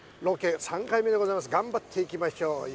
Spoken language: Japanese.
ロケ３回目です頑張っていきましょう！